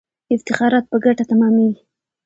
افتخارات په ګټه تمامیږي.